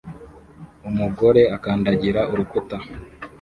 Umugore ukandagira urukuta